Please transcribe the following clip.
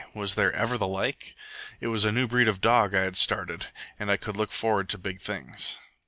Was there ever the like? It was a new breed of dog I had started, and I could look forward to big things.